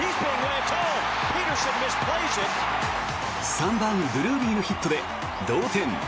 ３番、ドゥルーリーのヒットで同点。